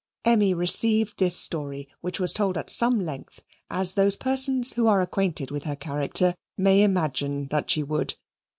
Emmy received this story, which was told at some length, as those persons who are acquainted with her character may imagine that she would.